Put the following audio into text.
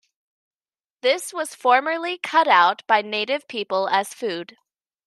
This was formerly cut out by native people as food.